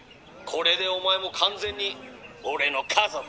これでお前も完全に俺の家族だ」。